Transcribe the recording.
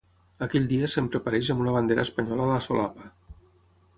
Aquell dia sempre apareix amb una bandera espanyola a la solapa.